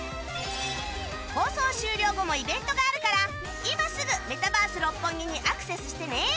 放送終了後もイベントがあるから今すぐメタバース六本木にアクセスしてね